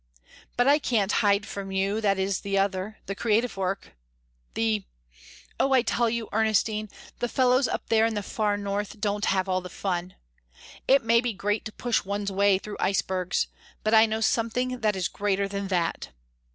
But I can't hide from you that it is the other, the creative work the oh, I tell you, Ernestine, the fellows up there in the far north don't have all the fun! It may be great to push one's way through icebergs but I know something that is greater than that!